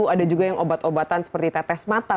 ada juga yang obat obatan seperti tetes mata